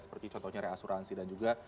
seperti contohnya reasuransi dan juga